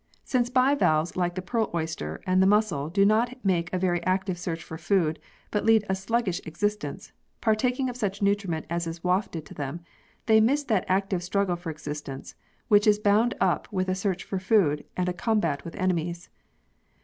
Since bivalves like the pearl oyster and the mussel do not make a very active search for food, but lead a sluggish existence, partaking of such nutriment as is wafted to them, they miss that active struggle for existence which is bound up with a search for food and a combat with enemies.